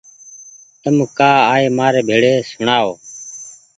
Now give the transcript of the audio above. تم ڪآ آئي مآري ڀيڙي سوڻآ او